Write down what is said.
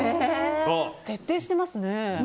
徹底してますね。